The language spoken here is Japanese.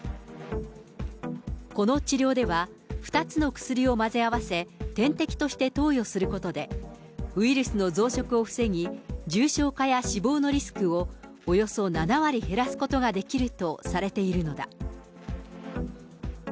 この治療では、２つの薬を混ぜ合わせ、点滴として投与することで、ウイルスの増殖を防ぎ、重症化や死亡のリスクをおよそ７割減らすことができるとされているのだ。